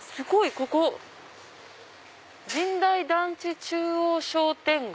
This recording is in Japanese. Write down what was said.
ここ「神代団地中央商店街」。